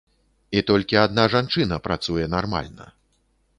І толькі адна жанчына працуе нармальна.